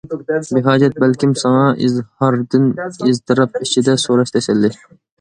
بىھاجەت بەلكىم ساڭا ئىزھاردىن، ئىزتىراپ ئىچىدە سوراش تەسەللى.